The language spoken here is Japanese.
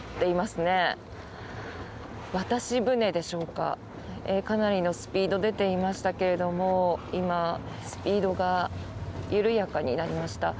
かなりのスピードが出ていましたけれども今、スピードが緩やかになりました。